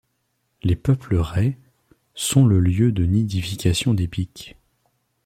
Les peupleraies sont le lieu de nidification des pics.